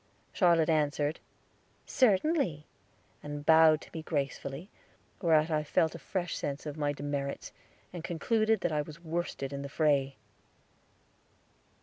Charlotte answered, "Certainly," and bowed to me gracefully, whereat I felt a fresh sense of my demerits, and concluded that I was worsted in the fray.